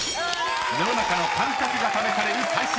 ［世の中の感覚が試される最終ステージ］